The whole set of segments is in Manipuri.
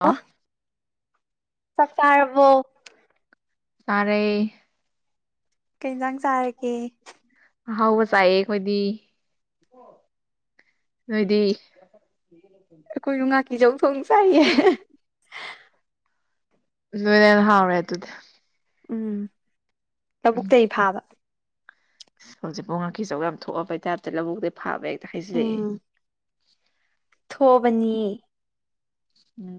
ꯑ ꯑꯣ ꯆꯥꯛꯆꯥꯔꯕꯣ ꯆꯥꯔꯦ ꯀꯩ ꯑꯦꯟꯖꯥꯡ ꯆꯥꯔꯒꯦ ꯑꯍꯥꯎꯕ ꯆꯥꯏꯑꯦ ꯑꯩꯈꯣꯏꯗꯤ ꯅꯣꯏꯗꯤ [inaudible] ꯑꯩꯈꯣꯏꯖꯨ ꯉꯥꯀꯤ ꯆꯧ ꯊꯣꯡ ꯆꯥꯏꯌꯦ ꯅꯣꯏꯅ ꯍꯦꯟꯅ ꯍꯥꯎꯕꯔꯦ ꯑꯗꯨꯗꯤ ꯎꯝ ꯂꯧꯕꯨꯛꯇꯩ ꯐꯥꯕ ꯍꯧꯖꯤꯛꯄꯥꯎ ꯉꯀꯤꯆꯧ ꯌꯥꯝ ꯊꯣꯛꯑꯕꯩ ꯇꯥꯏꯞꯇ ꯂꯧꯕꯨꯛꯇꯤ ꯐꯥꯕꯩ ꯍꯥꯏꯖꯜꯂꯛꯑꯦ ꯎꯝ ꯊꯣꯛꯑꯕꯅꯤ ꯎꯝ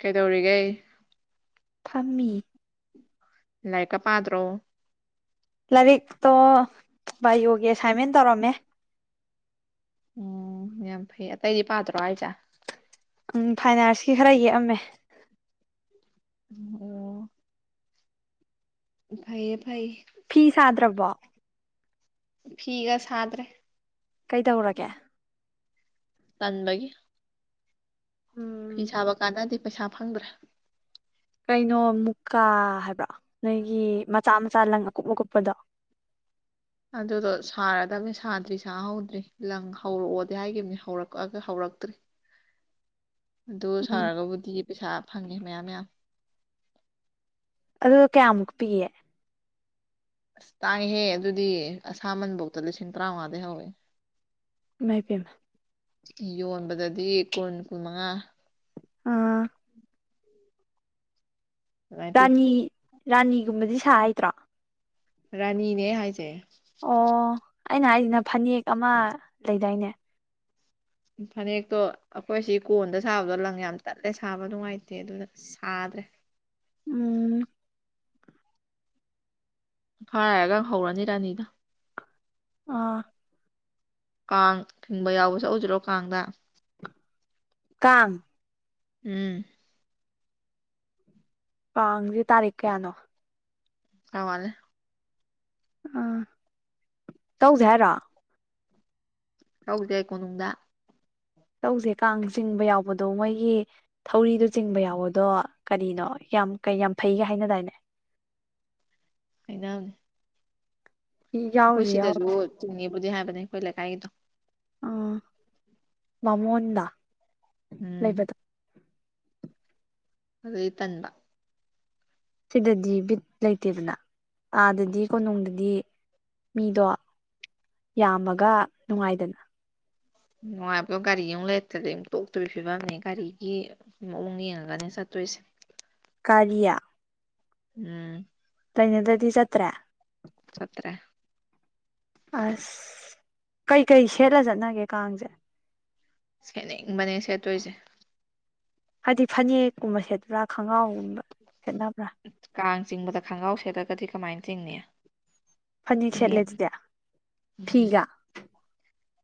ꯀꯩꯗꯧꯔꯤꯒꯦ ꯐꯝꯃꯤ ꯂꯥꯏꯔꯤꯛꯀꯥ ꯄꯥꯗ꯭ꯔꯣ ꯂꯥꯏꯔꯤꯛꯇꯣ ꯚꯥꯏꯌꯣꯒꯤ ꯑꯦꯁꯥꯏꯟꯃꯦꯟ ꯇꯧꯔꯝꯃꯦ ꯎꯝ ꯌꯥꯝ ꯐꯩ ꯑꯇꯩꯗꯤ ꯄꯥꯗ꯭ꯔꯣ ꯍꯥꯏꯁꯦ ꯎꯝ ꯐꯥꯏꯟ ꯑꯥꯔꯠꯁꯀꯤ ꯈꯔ ꯌꯦꯛꯑꯝꯃꯦ ꯎꯝ ꯑꯣ ꯐꯩꯌꯦ ꯐꯩꯌꯦ ꯐꯤ ꯁꯥꯗ꯭ꯔꯕꯣ ꯐꯤꯒ ꯁꯥꯗ꯭ꯔꯦ ꯀꯩꯗꯧꯔꯒꯦ ꯇꯟꯕꯒꯤ ꯎꯝ ꯐꯤ ꯁꯥꯕ ꯀꯥꯟꯅꯗꯦ ꯄꯩꯁꯥ ꯐꯪꯗ꯭ꯔꯦ ꯀꯩꯅꯣ ꯃꯨꯀꯥ ꯍꯥꯏꯕ꯭ꯔꯣ ꯅꯣꯏꯒꯤ ꯃꯆꯥ ꯃꯆꯥ ꯂꯪ ꯑꯀꯨꯞ ꯑꯀꯨꯞꯄꯗꯣ ꯑꯗꯨꯗꯣ ꯁꯥꯔꯗꯕꯅꯤ ꯁꯥꯗ꯭ꯔꯤ ꯁꯥꯍꯧꯗ꯭ꯔꯤ ꯂꯪ ꯍꯧꯔꯛꯑꯣꯗꯤ ꯍꯥꯏꯒꯤꯅꯤ ꯍꯧꯔꯛꯑꯒ ꯍꯧꯔꯛꯇ꯭ꯔꯤ ꯑꯗꯨ ꯎꯝ ꯁꯥꯔꯒꯕꯨꯗꯤ ꯄꯩꯁꯥ ꯐꯪꯉꯦ ꯃꯌꯥꯝ ꯃꯌꯥꯝ ꯑꯗꯨꯒ ꯀꯌꯥꯃꯨꯛ ꯄꯤꯌꯦ ꯑꯁ ꯇꯥꯡꯉꯤꯍꯦ ꯑꯗꯨꯗꯤ ꯑꯁꯥꯃꯟꯐꯧꯇ ꯂꯤꯁꯤꯡ ꯇꯔꯥꯃꯉꯥꯗꯩ ꯍꯧꯋꯦ ꯢꯃꯩ ꯄꯦꯝꯃ ꯌꯣꯟꯕꯗꯗꯤ ꯀꯨꯟ ꯀꯨꯟ ꯃꯉꯥ ꯑꯥ ꯑꯗꯨꯃꯥꯏꯅ ꯄꯤ ꯔꯥꯅꯤ ꯔꯥꯅꯤꯒꯨꯝꯕꯗꯤ ꯁꯥ ꯍꯩꯗ꯭ꯔꯣ ꯔꯥꯅꯤꯅꯦ ꯑꯩꯅ ꯍꯥꯏꯁꯦ ꯑꯣ ꯑꯩꯅ ꯍꯥꯏꯁꯤꯅ ꯐꯅꯦꯛ ꯑꯃ ꯂꯩꯗꯥꯏꯅꯦ ꯐꯅꯦꯛꯇꯣ ꯑꯩꯈꯣꯏꯁꯤ ꯀꯣꯟꯗ ꯁꯥꯕꯗꯣ ꯂꯪ ꯌꯥꯝ ꯇꯠꯂꯦ ꯁꯥꯕ ꯅꯨꯡꯉꯥꯏꯇꯦ ꯑꯗꯨꯅ ꯑꯁ ꯁꯥꯗꯦ ꯎꯝ ꯈꯔ ꯂꯩꯔꯒ ꯍꯧꯔꯅꯤ ꯔꯥꯅꯤꯗꯣ ꯑꯥ ꯀꯥꯡ ꯆꯤꯡꯕ ꯌꯥꯎꯕ ꯆꯠꯂꯨꯁꯤꯔꯣ ꯀꯥꯡꯗ ꯀꯥꯡ ꯎꯝ ꯄꯥꯡꯁꯤ ꯇꯥꯔꯤꯛ ꯀꯌꯥꯅꯣ ꯈꯔ ꯋꯥꯠꯂꯤ ꯑꯥ ꯇꯧꯗꯦ ꯍꯥꯏꯔꯣ ꯆꯠꯂꯨꯁꯦ ꯀꯣꯅꯨꯡꯗ ꯆꯠꯂꯨꯁꯦ ꯀꯥꯡ ꯆꯤꯡꯕ ꯌꯥꯎꯕꯗꯣ ꯃꯣꯏꯒꯤ ꯊꯧꯔꯤꯗꯣ ꯆꯤꯡꯕ ꯌꯥꯎꯕꯗꯣ ꯀꯔꯤꯅꯣ ꯌꯥꯝ ꯀꯩ ꯌꯥꯝ ꯐꯩꯒ ꯍꯥꯏꯅꯗꯥꯏꯅꯦ ꯍꯥꯢꯅꯕꯅꯦ ꯑꯩꯈꯣꯏ ꯌꯥꯎꯔꯨꯁꯦ ꯁꯤꯗꯁꯨ ꯌꯥꯎꯔꯨꯁꯦ ꯆꯤꯡꯅꯤꯕꯨꯗꯤ ꯍꯥꯏꯕꯅꯤ ꯑꯩꯈꯣꯏ ꯂꯩꯀꯥꯏꯒꯤꯗꯣ ꯑꯣ ꯕꯥꯃꯣꯟꯗꯣ ꯎꯝ ꯑꯗꯨꯗꯗꯤ ꯇꯟꯕ ꯁꯤꯗꯗꯤ ꯕꯤꯠ ꯂꯩꯇꯦꯗꯅ ꯑꯥꯗꯗꯤ ꯀꯣꯅꯨꯡꯗꯗꯤ ꯃꯤꯗꯣ ꯌꯥꯝꯃꯒ ꯅꯨꯡꯉꯥꯏꯗꯅ ꯅꯨꯡꯉꯥꯢꯕꯗꯣ ꯒꯥꯔꯤꯒꯤ ꯂꯩꯇ꯭ꯔꯗꯤ ꯇꯣꯛ ꯇꯣꯛꯕꯩ ꯐꯤꯕꯝꯅꯦ ꯒꯥꯔꯤꯒꯤ ꯃꯑꯣꯡ ꯌꯦꯡꯉꯒꯅꯦ ꯆꯠꯇꯣꯏꯁꯦ ꯒꯔꯤ ꯎꯝ ꯂꯩꯅꯗꯗꯤ ꯆꯠꯇ꯭ꯔꯦ ꯆꯠꯇ꯭ꯔꯦ ꯑꯁ ꯀꯩ ꯀꯩ ꯁꯦꯠꯂ ꯆꯠꯅꯒꯦ ꯀꯥꯡꯁꯦ ꯁꯦꯠꯅꯤꯡꯕꯅꯦ ꯁꯦꯠꯇꯣꯏꯁꯦ ꯍꯥꯏꯗꯤ ꯐꯅꯦꯛꯀꯨꯝꯕ ꯁꯦꯠꯄ꯭ꯔꯥ ꯈꯪꯉꯥꯎꯒꯨꯝꯕ ꯁꯦꯠꯅꯕ꯭ꯔꯥ ꯀꯥꯡ ꯆꯤꯡꯕꯗ ꯈꯪꯉꯥꯎ ꯁꯦꯠꯂꯒꯗꯤ ꯀꯃꯥꯏꯅ ꯆꯤꯡꯅꯤ ꯐꯅꯦꯛ ꯁꯦꯠꯂꯦ ꯐꯅ‌ꯦꯛ ꯑꯗꯨꯗꯤ ꯑꯝ ꯐꯤꯒ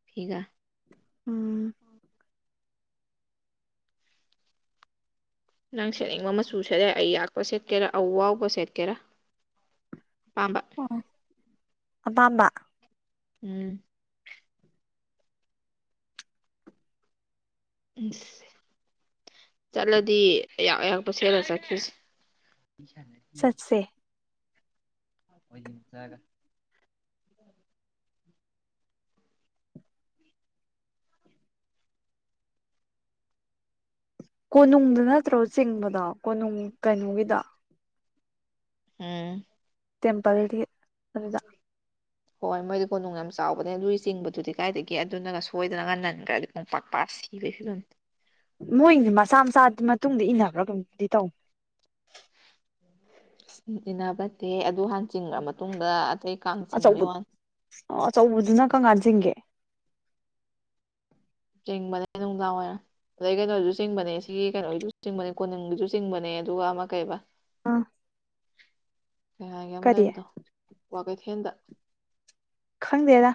ꯐꯤꯒ ꯎꯝ ꯅꯪ ꯁꯦꯠꯅꯤꯡꯕ ꯃꯆꯨ ꯁꯦꯠꯌꯥꯏ ꯑꯌꯥꯛꯄ ꯁꯦꯠꯀꯦꯔꯥ ꯑꯋꯥꯎꯕ ꯁꯦꯠꯀꯦꯔꯥ ꯑꯄꯥꯝꯕ ꯑꯣ ꯑꯄꯥꯝꯕ ꯎꯝ ꯏꯪꯁ ꯆꯠꯂꯗꯤ ꯑꯌꯥꯛ ꯑꯌꯥꯛꯄ ꯁꯦꯠꯂ ꯆꯠꯈꯤꯁꯤ ꯁꯠꯁꯦ [unintelligible] ꯀꯣꯅꯨꯡꯗ ꯅꯠꯇ꯭ꯔꯣ ꯆꯤꯡꯕꯗꯣ ꯀꯣꯅꯨꯡ ꯀꯩꯅꯣꯒꯤꯗ‌ꯣ ꯎꯝ ꯇꯦꯝꯄꯜꯗꯤ ꯑꯗꯨꯗ ꯍꯣꯏ ꯃꯣꯏꯗꯤ ꯀꯣꯅꯨꯡ ꯌꯥꯝ ꯆꯥꯎꯕꯅꯦ ꯑꯗꯨꯏꯒꯤ ꯆꯤꯡꯕꯗꯨꯗꯤ ꯀꯥꯏꯗꯒꯤ ꯑꯗꯨꯅꯒ ꯁꯣꯏꯗꯅꯒ ꯅꯟꯒ꯭ꯔꯗꯤ ꯄꯨꯡ ꯄꯥꯛꯑ ꯁꯤꯕꯩ ꯐꯤꯕꯝ ꯃꯣꯏ ꯃꯆꯥꯥ ꯃꯆꯥꯗꯨ ꯃꯇꯨꯡꯗ ꯏꯟꯅꯕ꯭ꯔꯥ ꯀꯩꯅ‌ꯣꯝꯗꯤ ꯇꯧꯝ ꯎꯝ ꯏꯟꯅꯕ ꯅꯠꯇꯦ ꯑꯗꯨ ꯍꯥꯟ ꯆꯤꯡꯒꯔ ꯃꯇꯨꯡꯗ ꯑꯇꯩ ꯀꯥꯡ ꯆꯤꯡꯕꯩ ꯑꯆꯧꯕ ꯋꯥ ꯑꯣ ꯑꯆꯧꯕꯗꯨꯅ ꯀꯡ ꯀꯥꯟ ꯆꯤꯡꯒꯦ ꯆꯤꯡꯕꯅ‌ꯦ ꯅꯨꯡꯗꯥꯥꯎꯋꯔ ꯑꯗꯩ ꯀꯩꯅꯣꯁꯨ ꯆꯤꯡꯕꯅꯦ ꯁꯤꯒꯤ ꯀꯩꯅꯣꯒꯤꯁꯨ ꯆꯤꯡꯕꯅꯦ ꯀꯣꯅꯨꯡꯒꯤꯁꯨ ꯆꯤꯡꯕꯅꯦ ꯑꯗꯨꯒ ꯑꯃ ꯀꯩꯕ [inaudible] [unintelligible] ꯑꯃ ꯀꯔꯤ ꯂꯩꯕꯅꯣ ꯀ꯭ꯋꯥ ꯀꯩꯊ‌ꯦꯟꯗ ꯈꯪꯗꯦꯗ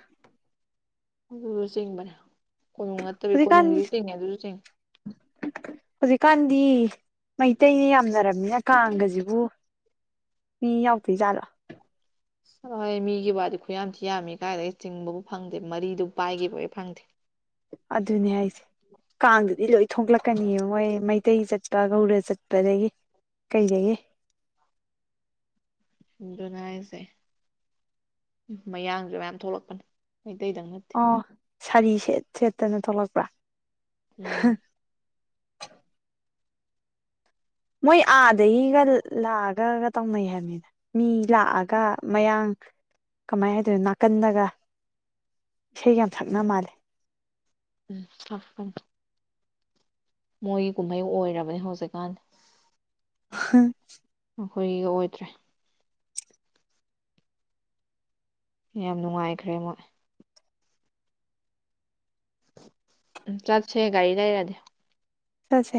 ꯑꯗꯨꯁꯨ ꯆꯤꯡꯕꯅꯦ ꯀꯣꯅꯨꯡ ꯅꯠꯇꯕꯤ ꯍꯧꯖꯤꯛꯀꯥꯟ ꯀꯣꯅꯨꯡꯒꯤꯁꯨ ꯆꯤꯡꯉꯦ ꯑꯗꯨꯁꯨ ꯆꯤꯡꯉꯦ ꯍꯧꯖꯤꯛꯀꯥꯟꯗꯤ ꯃꯩꯇꯩꯅ ꯌꯥꯝꯅꯔꯝꯃꯤꯅ ꯀꯥꯡꯒꯁꯤꯕꯨ ꯕꯨ ꯃꯤ ꯌꯥꯎꯗꯣꯏꯖꯥꯠꯂ ꯍ ꯍꯣꯏ ꯃꯤꯒꯤ ꯋꯥꯗꯤ ꯈꯨꯌꯥꯝ ꯊꯤ ꯌꯥꯝꯃꯤ ꯀꯥꯏꯗꯒꯤ ꯆꯤꯡꯕꯕꯨ ꯐꯪꯗꯦ ꯃꯔꯤꯗꯨ ꯄꯥꯏꯒ‌ꯦꯕꯥꯎ ꯍ‌ꯦꯛ ꯐꯪꯗꯦ ꯑꯗꯨꯅꯦ ꯍꯥꯏꯁꯦ ꯀꯥꯡꯗꯗꯤ ꯂꯣꯏ ꯊꯣꯛꯂꯛꯀꯅꯤ ꯃꯣꯏ ꯃꯩꯇꯩ ꯆꯠ ꯇꯥꯒꯧꯗ ꯆꯠꯄꯗꯒꯤ ꯀꯩꯗꯒꯤ ꯑꯗꯨꯅꯤ ꯍꯥꯏꯁꯦ ꯎ ꯃꯌꯥꯡꯁꯨ ꯃꯌꯥꯝ ꯊꯣꯛꯂꯛꯄꯅꯤ ꯃꯩꯇꯩꯗꯪ ꯅꯠꯇꯦ ꯑꯣ ꯁꯥꯔꯤ ꯁꯦꯠ ꯁꯦꯠꯇꯅ ꯊꯣꯛꯂꯛꯄ꯭ꯔꯥ ꯎꯝ ꯃꯣꯏ ꯑꯥꯗꯒꯤꯒ ꯂꯥꯛꯑꯒꯒ ꯇꯧꯅꯩ ꯍꯥꯏꯕꯅꯤꯅ ꯃꯤ ꯂꯥꯛꯑꯒ ꯃꯌꯥꯡ ꯀꯃꯥꯏ ꯍꯥꯏꯗꯣꯏꯅꯣ ꯅꯥꯀꯟꯗꯒ ꯏꯁꯩꯒ ꯌꯥꯝ ꯁꯛꯅ ꯃꯥꯜꯂꯦ ꯎꯝ ꯁꯛꯄꯅꯤ ꯃꯣꯏꯒꯤ ꯀꯨꯝꯍꯩ ꯑꯣꯏꯔꯕꯅꯤ ꯍꯧꯖꯤꯛꯀꯥꯟ ꯍꯥ ꯑꯩꯈꯣꯏꯒꯤꯒ ꯑꯣꯏꯗ꯭ꯔꯦ ꯌꯥꯝ ꯅꯨꯡꯉꯥꯏꯈ꯭ꯔꯦ ꯃꯣꯏ ꯆꯠꯁꯦ ꯒꯥꯔꯤ ꯂꯩꯔꯗꯤ ꯆꯠꯁꯦ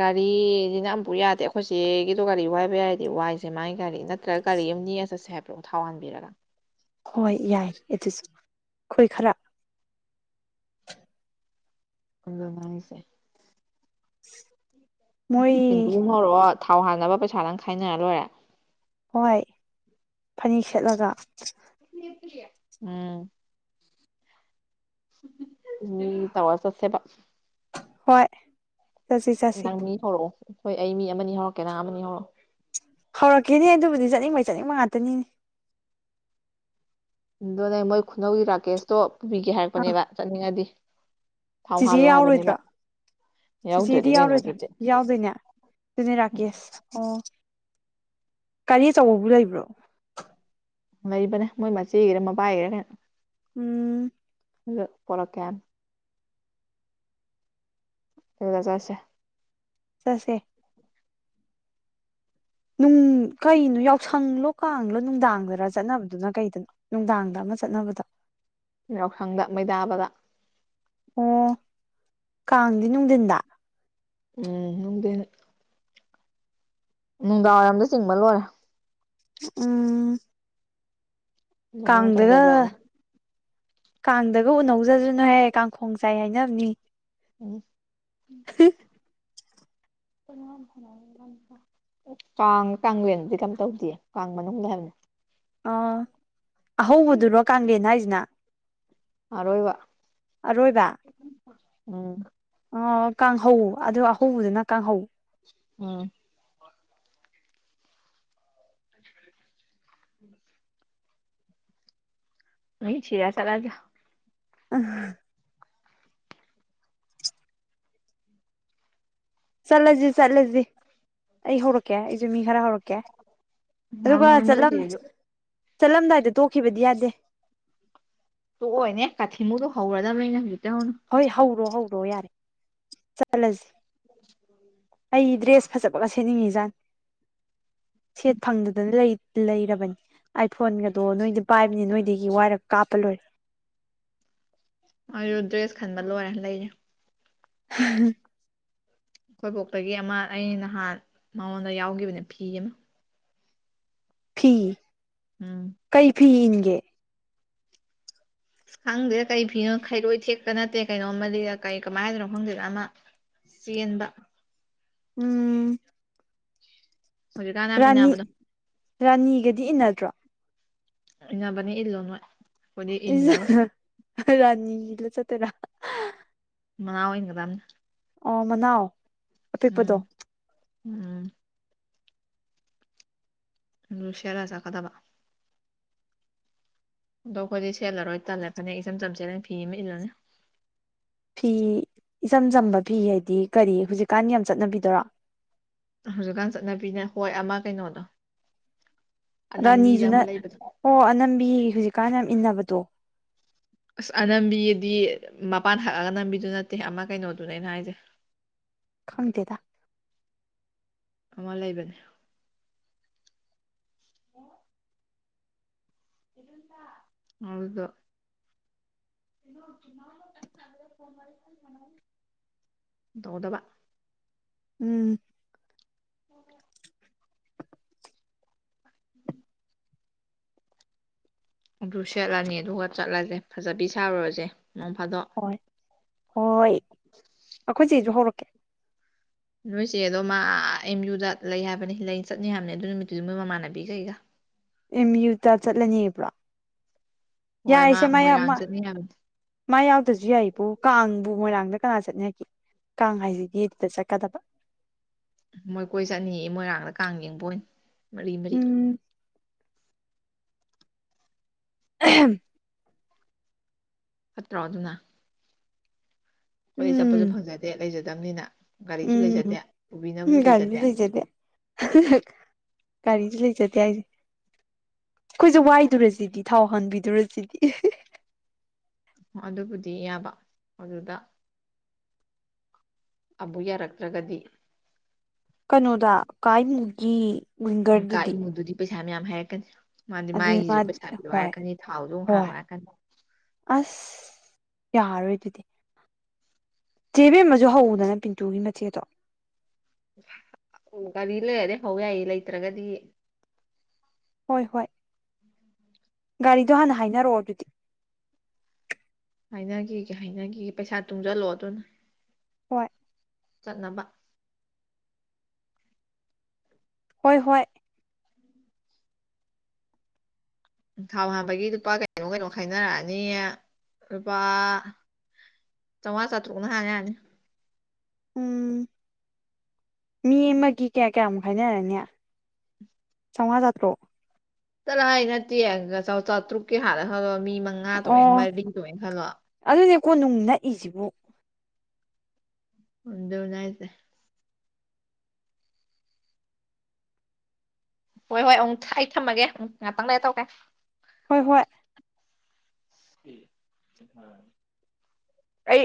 ꯒꯥꯔꯤꯁꯤꯅ ꯑꯝꯃꯐꯧ ꯌꯥꯗꯦ ꯑꯩꯈꯣꯏꯆꯦꯒꯤꯗꯣ ꯒꯥꯔꯤ ꯋꯥꯏꯕ ꯌꯥꯏꯔꯗꯤ ꯋꯥꯏꯁꯦ ꯃꯥꯥꯏ ꯒꯥꯔꯤ ꯅꯠ ꯅꯠꯇ꯭ꯔꯒ ꯒꯥꯔꯤ ꯑꯃ ꯅꯦꯛꯑꯒ ꯆꯠꯁꯦ ꯍꯥꯏꯕꯔꯣ ꯊꯥꯎ ꯍꯥꯟꯕꯤꯔꯒ ꯍꯣꯏ ꯌꯥꯏ ꯑꯗꯨꯁꯨ ꯑꯩꯈꯣꯏ ꯈꯔ ꯑꯗꯨꯅꯦ ꯍꯥꯏꯖꯦ ꯃꯣꯏ ꯄꯤꯟꯗꯨꯃ ꯍꯧꯔꯛꯑꯣ ꯊꯥꯎ ꯍꯥꯟꯅꯕ ꯄꯩꯁꯥ ꯅꯪ ꯈꯥꯏꯅꯔ ꯂꯣꯏꯔꯦ ꯍꯣꯏ ꯐꯅꯦꯛ ꯁꯦꯠꯂꯒ ꯎꯝ ꯎꯝ ꯇꯧꯔ ꯆꯠꯁꯦꯕ ꯍꯣꯏ ꯆꯠꯁꯤ ꯆꯠꯁꯤ ꯅꯪ ꯃꯤ ꯍꯧꯔꯛꯑꯣ ꯑꯩꯏ ꯑꯩ ꯃꯤ ꯑꯃꯅꯤ ꯍꯧꯔꯛꯀꯦ ꯅꯪꯡ ꯑꯃꯅꯤ ꯍꯧꯔꯛꯑꯣ ꯍꯧꯔꯛꯀꯦꯅꯦ ꯑꯗꯨꯕꯨꯗꯤ ꯆꯠꯅꯤꯡꯕꯩ ꯆꯠꯅꯤꯡꯕ ꯉꯥꯛꯇꯅꯤꯅꯦ ꯑꯗꯨꯗꯣ ꯅꯪ ꯃꯣꯏ ꯈꯨꯅꯧꯒꯤ ꯔꯥꯀꯦꯁꯇꯣ ꯄꯨꯕꯤꯒꯦ ꯍꯥꯏꯔꯛꯄꯅꯦꯕ ꯆꯠꯅꯤꯡꯉꯗꯤ ꯊꯥꯎ ꯆꯦꯆꯦ ꯍꯥꯜꯂꯣ ꯍꯥꯏꯕꯅꯦꯕ ꯌꯥꯎꯔꯣꯏꯗ꯭ꯔꯥ ꯆꯦꯆꯦꯗꯤ ꯌꯥꯎꯗ꯭ꯔꯗꯤ ꯀꯩꯅꯣ ꯌꯥꯎꯔꯣꯏꯗ꯭ꯔꯥ ꯑꯗꯨꯗꯤ ꯌꯥꯎꯗꯣꯏꯅꯦ ꯑꯗꯨꯅꯦ ꯔꯥꯀꯦꯁ ꯑꯣ ꯒꯥꯔꯤ ꯑꯆꯧꯕꯕꯨ ꯂꯩꯕ꯭ꯔꯣ ꯂꯩꯕꯅꯦ ꯃꯣꯏ ꯃꯆꯦꯒꯤꯔꯥ ꯃꯕꯥꯏꯒꯤꯔ ꯀꯩꯅꯣ ꯎꯝ ꯑꯗꯨ ꯄꯣꯔꯛꯀꯦꯝ ꯑꯗꯨꯗ ꯆꯠꯁꯦ ꯆꯠꯁꯦ ꯅꯨꯡ ꯀꯩꯅꯣ ꯌꯥꯎꯁꯪꯂꯣ ꯀꯥꯡꯂꯣ ꯅꯨꯡꯗꯥꯡꯗꯔ ꯆꯠꯅꯕꯗꯨꯅ ꯀꯩꯗꯅꯣ ꯅꯨꯡꯗꯥꯡꯗ ꯑꯃ ꯆꯠꯅꯕꯗꯣ ꯌꯥꯎꯁꯪꯗ ꯃꯩꯗꯥꯕꯗ ꯑꯣ ꯀꯥꯡꯗꯤ ꯅꯨꯡꯊꯤꯟꯗ ꯎꯝ ꯅꯨꯡꯗꯤꯟ ꯅꯨꯡꯗꯥꯡꯋꯥꯏꯔꯝꯗ ꯆꯤꯡꯕ ꯂꯣꯏꯔꯦ ꯎꯝ ꯃꯅꯨꯡ ꯀꯥꯡꯗꯒ ꯆꯪꯖꯜꯂꯛꯑꯅꯤ ꯀꯥꯡꯗꯒ ꯎꯅꯧꯖ꯭ꯔꯅꯨꯍꯦ ꯀꯥꯡꯈꯣꯡ ꯆꯥꯏ ꯍꯥꯏꯅꯕꯅꯤ ꯎꯝ [unintelligible] [unintelligible] ꯀꯥꯡ ꯀꯥꯡꯂꯦꯟꯗꯤ ꯀꯝ ꯇꯧꯗꯦ ꯀꯥꯡ ꯃꯅꯨꯡꯗ ꯍꯥꯏꯕꯅꯤ ꯑ ꯑꯍꯧꯕꯗꯨꯔꯣ ꯀꯥꯡꯂꯦꯟ ꯍꯥꯏꯁꯤꯅ ꯑꯔꯣꯏꯕ ꯑꯔꯣꯏꯕ ꯎꯝ ꯑ ꯀꯥꯡꯍꯧ ꯑꯗꯨ ꯑꯍꯧꯕꯗꯨꯅ ꯀꯥꯡꯍꯧ ꯎꯝ [inaudible] ꯃꯤ ꯊꯤꯔ ꯆꯠꯂꯒꯦ [unintelligible] ꯆꯠꯂꯁꯤ ꯆꯠꯂꯁꯤ ꯑꯩ ꯍꯧꯔꯛꯀꯦ ꯑꯩꯁꯨ ꯃꯤ ꯈꯔ ꯍꯧꯔꯛꯀꯦ ꯑꯗꯨꯒ ꯅꯣꯏ ꯆꯠꯂꯝ ꯆꯦꯁꯨ ꯆꯠꯂꯝꯗꯥꯏꯗ ꯇꯣꯛꯈꯤꯕꯗꯤ ꯌꯥꯗꯦ ꯇꯣꯛꯑꯣꯢꯅꯦ ꯀꯥꯊꯤꯃꯨꯗꯣ ꯍꯧꯔꯗꯕꯅꯤꯅꯦ ꯍꯧꯖꯤꯛꯇꯩ ꯍꯧꯅ ꯍꯣꯏ ꯍꯧꯔꯣ ꯍꯧꯔꯣ ꯌꯥꯔꯦ ꯆꯠꯂꯁꯤ ꯑꯩ ꯗ꯭ꯔꯦꯁ ꯐꯖꯕ ꯒ ꯁꯦꯠꯅꯤꯡꯉꯖꯥꯠꯅꯤ ꯁꯦꯠ ꯐꯪꯗꯗꯅ ꯂꯩꯔꯕꯅꯤ ꯑꯥꯏꯐꯣꯟꯒꯗꯣ ꯅꯣꯏꯗꯤ ꯄꯥꯏꯕꯅꯤꯅ ꯅꯣꯏꯗꯒꯤ ꯋꯥꯏꯔꯒ ꯀꯥꯞꯄ ꯂꯣꯏꯔꯦ ꯋꯥꯢꯔꯣ ꯗ꯭ꯔꯦꯁ ꯈꯟꯕ ꯂꯣꯏꯔꯦ ꯂꯩꯔꯦ [unintelligible] ꯈꯣꯏꯕꯣꯛꯇꯒꯤ ꯑꯃ ꯑ ꯅꯍꯥꯟ ꯃꯉꯣꯟꯗ ꯌꯥꯎꯈꯤꯕꯅꯦ ꯐꯤ ꯑꯃ ꯐꯤ ꯎꯝ ꯀꯩ ꯐꯤ ꯏꯟꯒꯦ ꯑꯁ ꯈꯪꯗꯦꯗ ꯀꯔꯤ ꯐꯤꯅꯣ ꯈꯩꯔꯣꯏ ꯊꯦꯛꯀ ꯅꯠꯇꯦ ꯀꯩꯅꯣꯝꯃ ꯀꯔꯤ ꯀꯃꯥꯏ ꯍꯥꯏꯗꯣꯏꯅꯣ ꯈꯪꯗꯦꯗꯅ ꯑꯃ ꯆ‌ꯦꯟꯕ ꯎꯝ ꯍꯧꯖꯤꯛꯀꯥꯟ ꯌꯥꯝ ꯔꯥꯅꯤ ꯏꯟꯅꯕꯗꯣ ꯔꯥꯅꯤꯒꯗꯤ ꯏꯟꯅꯗ꯭ꯔꯣ ꯏꯅꯕꯅꯦ ꯏꯜꯂꯣ ꯅꯣꯏ ꯑꯩꯈꯣꯏꯗꯤ ꯏꯜꯂꯔꯣꯏ ꯔꯅꯤ ꯏꯜꯂꯥ ꯆꯠꯇ‌ꯣꯏꯔꯥ ꯃꯅꯥꯎ ꯢꯟꯒꯗꯧꯅꯤ ꯑꯣ ꯃꯅꯥꯎ ꯑꯄꯤꯛꯄꯗꯣ ꯎꯝ ꯎꯝ ꯑꯗꯨ ꯁ‌ꯦꯠꯂꯥ ꯆꯠꯀꯗꯕ ꯑꯗꯣ ꯑꯩꯈꯣꯏꯗꯤ ꯁꯦꯂꯔꯣꯏ ꯇꯜꯂꯦ ꯐꯅꯦꯛ ꯏꯆꯝ ꯆꯝ ꯁꯦꯜꯠꯂꯅꯤ ꯐꯤ ꯑꯃ ꯏꯜꯂꯅꯤ ꯐꯤ ꯏꯆꯝ ꯆꯝꯕ ꯐꯤ ꯍꯥꯏꯗꯤ ꯀꯔꯤ ꯍꯧꯖꯤꯛꯀꯥꯟ ꯌꯥꯝ ꯆꯠꯅꯕꯤꯗꯨꯔꯣ ꯍꯧꯖꯤꯛꯀꯥꯟ ꯆꯠꯅꯕꯤꯅ ꯍꯣꯏ ꯑꯃ ꯀꯩꯅꯣꯗꯣ ꯑꯅꯝꯕꯤꯗ ꯔꯥꯅꯤꯖꯨꯅ ꯑꯃ ꯂꯩꯕꯗꯣ ꯍꯣ ꯑꯅꯝꯕꯤ ꯍꯧꯖꯤꯛꯀꯥꯟ ꯌꯥꯝ ꯏꯟꯅꯕꯗꯣ ꯑꯁ ꯑꯅꯝꯕꯤꯗꯤ ꯃꯄꯥꯟ ꯍꯛꯑꯒꯅꯝꯕꯤꯗꯨ ꯅꯠꯇꯦ ꯑꯃ ꯀꯩꯅꯣꯗꯨꯅꯦ ꯑꯩꯅ ꯍꯥꯏꯁꯦ ꯈꯪꯗꯦꯗ ꯑꯃ ꯂꯩꯕꯅꯦ [unintelligible] ꯑꯗꯨꯗ‌ꯣ ꯇꯧꯒꯗꯕ ꯎꯝ [inaudible] [inaudible] ꯑꯗꯨ ꯁꯦꯠꯂꯅꯤ ꯑꯗꯨꯒ ꯆꯠꯂꯁꯦ ꯐꯖꯕꯤ ꯁꯥꯔꯨꯔꯁꯦ ꯅꯣꯡ ꯐꯥꯗꯣꯛ ꯍꯣꯏ ꯍꯣꯏ ꯑꯩꯈꯣꯏ ꯆ‌ꯦꯁꯨ ꯍꯧꯔꯛꯀꯦ ꯅꯣꯏꯆ‌ꯦꯗꯣ ꯃꯥ ꯑꯦꯝ ꯌꯨꯗ ꯂꯩ ꯍꯥꯏꯕꯅꯤ ꯂꯩ ꯆꯠꯅꯤ ꯍꯥꯏꯕꯅꯤ ꯑꯗꯨ ꯅꯨꯃꯤꯠꯇꯨꯗꯤ ꯃꯣꯏ ꯃꯃꯥꯟꯅꯕꯤ ꯀꯩꯒ ꯑꯦꯝ ꯌꯨꯗ ꯆꯠꯂꯅꯦ ꯍꯥꯢꯕ꯭ꯔꯣ ꯍꯣꯏ ꯃꯥ ꯃꯣꯏꯔꯥꯡ ꯃꯥ ꯆꯠꯅꯤ ꯍꯥꯏꯕꯅꯤ ꯃꯥ ꯌꯥꯎꯗ꯭ꯔꯁꯨ ꯌꯥꯏꯕꯨ ꯀꯥꯡꯕꯨ ꯃꯣꯏꯔꯥꯡꯗ ꯀꯅꯥ ꯆꯠꯅꯒꯦ ꯀꯥꯡ ꯍꯥꯏꯁꯤꯗꯤ ꯏꯗ [unintelligible] ꯆꯠꯀꯗꯕ ꯃꯣꯏ ꯀꯣꯏ ꯆꯠꯅꯤꯌꯦ ꯃꯣꯏꯔꯥꯡꯗ ꯀꯥꯡ ꯌꯦꯡꯕ ꯑꯣꯏꯅ ꯃꯔꯤ ꯃꯔꯤ ꯎꯝ ꯑꯍꯦꯝ [unintelligible] ꯐꯠꯇ꯭ꯔꯣ ꯑꯗꯨꯅ ꯑꯩꯈꯣꯏꯗꯤ ꯆꯠꯄꯁꯨ ꯎꯝ ꯐꯪꯖꯗꯦ ꯂꯩꯖꯗꯕꯅꯤꯅ ꯒꯥꯔꯤꯁꯨ ꯂꯩꯖꯗꯦ ꯎꯝ ꯄꯨꯕꯤꯅꯕꯁꯨ ꯒꯥꯔꯤꯁꯨ ꯂꯩꯖꯗꯦ ꯒꯥꯔꯤꯁꯨ ꯂꯩꯖꯗꯦ ꯍꯥꯏꯁꯦ ꯑꯩꯈꯣꯏꯁꯨ ꯋꯥꯏꯗꯨꯔꯁꯤꯗꯤ ꯊꯥꯎ ꯍꯟꯕꯤꯗꯨꯔꯗꯨꯗꯤ ꯑꯗꯨꯕꯨꯗꯤ ꯌꯥꯕ ꯑꯗꯨꯗ ꯑꯕꯨ ꯌꯥꯔꯛꯇ꯭ꯔꯒꯗꯤ ꯀꯅꯣꯗꯥ ꯀꯥꯏ ꯃꯨꯒꯤ ꯀꯥ ꯏꯃꯨꯗꯨꯗꯤ ꯄꯩꯁꯥ ꯃꯌꯥꯝ ꯍꯥꯏꯔꯛꯀꯅꯤ ꯃꯥꯗꯤ ꯑꯗꯨꯅꯤ ꯃꯥꯒꯤꯁꯨ ꯃꯥꯗꯤ ꯄꯩꯁꯥ ꯄꯤꯔꯣ ꯍꯣꯏ ꯍꯥꯏꯔꯛꯀꯅꯤ ꯊꯥꯎꯁꯨꯡ ꯑ‌ꯣꯛ ꯍꯥꯜꯂꯣ ꯍꯣꯏ ꯍꯥꯏꯔꯛꯀꯅꯤ ꯑꯁ ꯌꯥꯔꯣꯏ ꯑꯗꯨꯗꯤ ꯆꯦꯕꯦꯝꯃꯁꯨ ꯍꯧꯎꯗꯅ ꯄꯤꯟꯇꯨꯒꯤ ꯃꯆꯦꯗꯣ ꯎꯝ ꯒꯥꯔꯤꯗꯨ ꯂꯩꯔꯗꯤ ꯍꯧ ꯌꯥꯏꯌ‌ꯦ ꯂꯩꯇ꯭ꯔꯒꯗꯤ ꯍꯣꯏ ꯍꯣꯏ ꯎꯝ ꯒꯥꯔꯤꯗꯣ ꯍꯥꯟꯅ ꯍꯥꯏꯅꯔꯛꯑꯣ ꯑꯗꯨꯗꯤ ꯍꯥꯏꯅꯈꯤꯒꯦ ꯍꯥꯏꯅꯈꯤꯒꯦ ꯄꯩꯁꯥ ꯇꯨꯡꯖꯜꯂꯣ ꯑꯗꯨꯅ ꯍꯣꯏ ꯆꯠꯅꯕ ꯍꯣꯏ ꯍꯣꯏ ꯊꯥꯎ ꯍꯥꯟꯕꯒꯤ ꯂꯨꯄꯥ ꯀꯩꯅꯣ ꯀꯩꯅꯣ ꯈꯥꯏꯅꯔꯛꯑꯅꯤ ꯂꯨꯄꯥ ꯆꯥꯎꯉꯥ ꯆꯥꯇ꯭ꯔꯨꯛꯅ ꯍꯥꯟ ꯌꯥꯅꯤ ꯎꯝ ꯃꯤ ꯑꯃꯒꯤ ꯀꯌꯥ ꯀꯌꯥꯃꯨꯛ ꯈꯥꯏꯅꯔꯅꯤ ꯆꯥꯎꯉꯥ ꯆꯥꯇ꯭ꯔꯨꯛ ꯆꯠꯂ ꯍꯥꯏ ꯅꯠꯇꯦ ꯆꯥꯇ꯭ꯔꯨꯛꯀꯤ ꯍꯜꯂ‌ꯦ ꯈꯜꯂꯣ ꯃꯤ ꯃꯉꯥ ꯇ‌‌ꯣꯡꯉ‌ꯦ ꯑꯣ ꯃꯔꯤ ꯇꯦꯡꯉ‌ꯦ ꯈꯜꯂꯣ ꯑꯗꯨꯅꯦ ꯀꯣꯅꯨꯡ ꯅꯛꯏꯁꯤꯕꯨ ꯎꯗꯨꯅꯤ ꯍꯥꯏꯁꯦ ꯍꯣꯏ ꯍꯣꯏ ꯑꯃꯨꯛ ꯑꯩ ꯊꯝꯃꯒꯦ ꯎꯝ ꯉꯥꯛꯇꯪ ꯂꯩ ꯇꯧꯛꯀ‌ꯦ ꯍꯣꯏ ꯍꯣꯏ [inaudible] ꯑꯩ